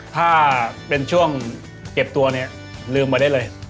ถ้าเป็นช่วงเก็บตัวเนี่ยลืมมาได้เลย